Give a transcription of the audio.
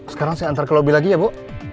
sekarang saya antar ke lobby lagi ya bu